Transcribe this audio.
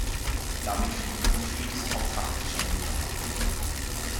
Damit fiel Bluefields auch faktisch an Nicaragua.